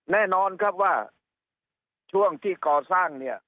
แน่นอนครับว่าช่วงที่ก่อสร้างเนี่ย